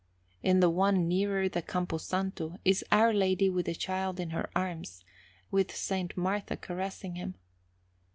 In the one nearer the Campo Santo is Our Lady with the Child in her arms, with S. Martha caressing Him.